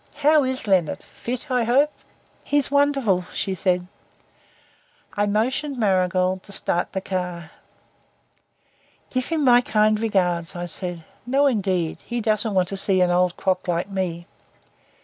How is Leonard? Fit, I hope?" "He's wonderful," she said. I motioned Marigold to start the car. "Give him my kind regards," said I. "No, indeed. He doesn't want to see an old crock like me."